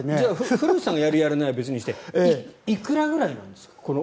古内さんがやるやらないは別にしていくらぐらいなんですか？